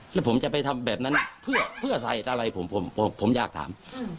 แล้วผมจะไปทำแบบนั้นเพื่อใส่อะไรผมผมอยากถาม